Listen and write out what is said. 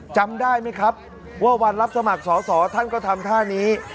จำได้ไหมครับว่าวันรับสมัครสอสอท่านก็ทำท่านี้